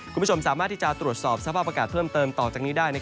คุณผู้ชมสามารถที่จะตรวจสอบสภาพอากาศเพิ่มเติมต่อจากนี้ได้